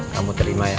kamu terima ya